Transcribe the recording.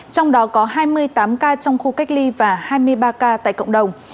trong đó có hai mươi tám ca trong khu cách ly và hai mươi ba ca tại cộng đồng